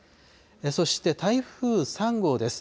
そして台風３号です。